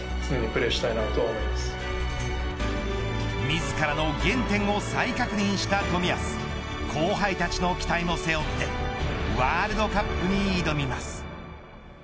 自らの原点を再確認した冨安後輩たちの期待も背負ってワールドカップに挑みます。